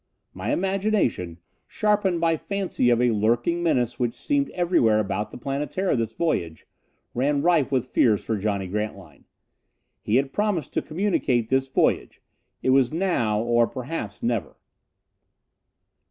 My imagination, sharpened by fancy of a lurking menace which seemed everywhere about the Planetara this voyage, ran rife with fears for Johnny Grantline. He had promised to communicate this voyage. It was now, or perhaps never.